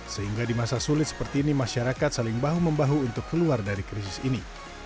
sehingga di masa sulit seperti ini masyarakat saling bahu membahu untuk keluar dari krisis ini